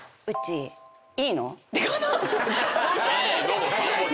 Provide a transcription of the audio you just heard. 「いいの？」の３文字。